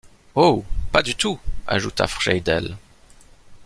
Oh! pas du tout ! ajouta Friedel.